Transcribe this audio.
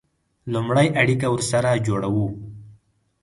لومړی اړیکه ورسره جوړوو.